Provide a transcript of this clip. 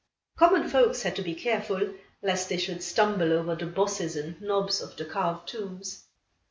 Common folks had to be careful, lest they should stumble over the bosses and knobs of the carved tombs.